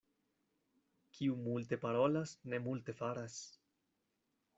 Kiu multe parolas, ne multe faras.